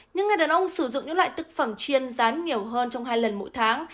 những người đàn ông sử dụng những loại thức phẩm chiên rán nhiều hơn trong hai lần mỗi tháng